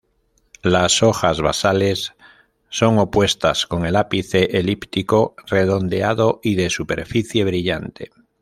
Las hojas basales son opuestas con el ápice elíptico, redondeado y de superficie brillante.